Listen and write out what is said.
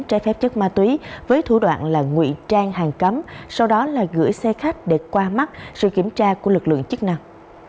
trái phép chất ma túy với thủ đoạn là ngụy trang hàng cấm sau đó là gửi xe khách để qua mắt sự kiểm tra của lực lượng chức năng